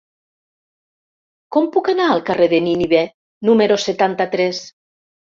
Com puc anar al carrer de Nínive número setanta-tres?